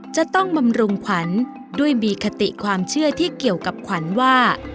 จะต้องบำรุงขวัญด้วยมีคติความเชื่อที่เกี่ยวกับขวัญว่า